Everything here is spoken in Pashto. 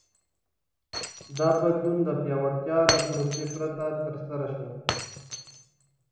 دا بدلون د پیاوړتیا له پروسې پرته ترسره شو.